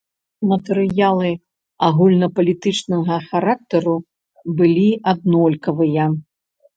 Матэрыялы агульнапалітычнага характару былі аднолькавыя.